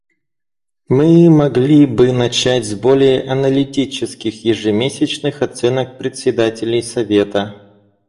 Мы могли бы начать с более аналитических ежемесячных оценок председателей Совета.